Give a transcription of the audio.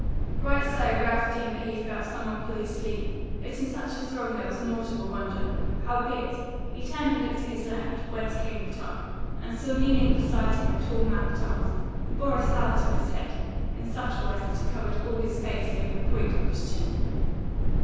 Right so Ralph deemed that he felt some one pull his sleeve, but in such a throng that was nought of a wonder; howbeit, he turned and looked to his left, whence came the tug, and saw kneeling beside him a tall man at arms, who bore a sallet on his head in such wise that it covered all his face save the point of his chin.